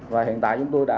và hiện tại chúng tôi đã